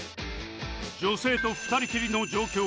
女性と２人きりの状況